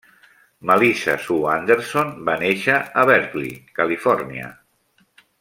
Melissa Sue Anderson va néixer a Berkeley, Califòrnia.